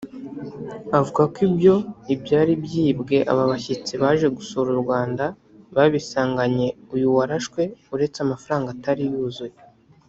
Avuga ko ibyo ibyari byibwe aba bashyitsi baje gusura u Rwanda babisanganye uyu warashwe uretse amafaranga atari yuzuye